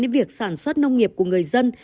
đến việc sản xuất nông nghiệp của người dân